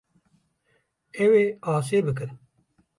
Ew ê asê bikin.